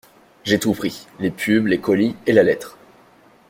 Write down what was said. J’ai tout pris, les pubs, le colis et la lettre.